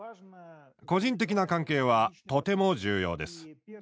個人的な関係はとても重要です。